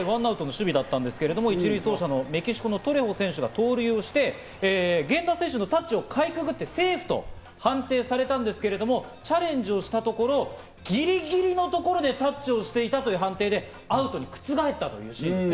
１塁走者のトレホ選手が盗塁をして源田選手のタッチをかいくぐってセーフと判定されたんですけど、チャレンジをしたところ、ギリギリのところでタッチをしていたという判定でアウトに覆ったんです。